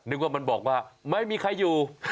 นึกว่ามันบอกว่าไม่มีใครอยู่